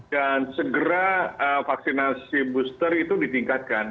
dan segera vaksinasi booster itu ditingkatkan